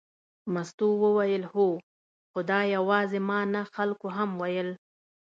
مستو وویل هو، خو دا یوازې ما نه خلکو هم ویل.